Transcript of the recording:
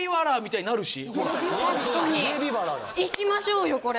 いきましょうよこれ。